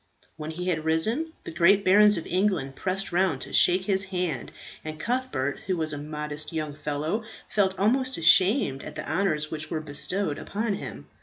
When he had risen, the great barons of England pressed round to shake his hand, and Cuthbert, who was a modest young fellow, felt almost ashamed at the honours which were bestowed upon him.